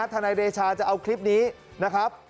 ทนายเดชาจะเอาคลิปนี้นะครับ